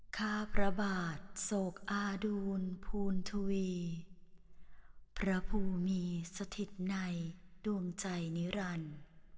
ข้าพระบาทโศกอาดูลภูณทวีพระภูมิมีสถิตในดวงใจนิรันดิ์